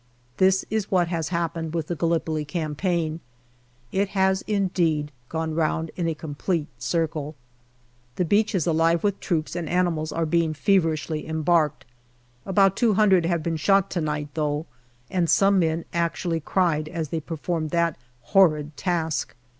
That is what has happened with JANUARY 1916 321 the Gallipoli Campaign : it has indeed gone round in a complete circle. The beach is alive with troops, and animals are being feverishly embarked. About two hundred have been shot to night, though, and some men actually cried as they per formed that horrid task.